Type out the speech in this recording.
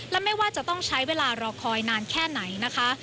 และไม่ว่าจะต้องใช้เวลารอคอยนานแค่ไหนนะคะ